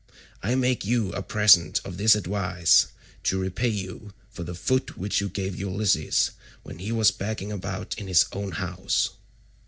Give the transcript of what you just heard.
I make you a present of this advice to repay you for the foot which you gave Ulysses when he was begging about in his own house."